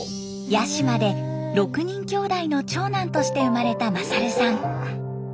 八島で６人兄弟の長男として生まれた勝さん。